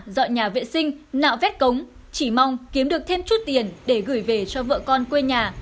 dọn nhà vệ sinh nạo vét cống chỉ mong kiếm được thêm chút tiền để gửi về cho vợ con quê nhà